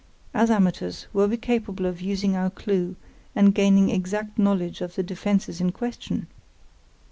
As amateurs, were we capable of using our clue and gaining exact knowledge of the defences in question?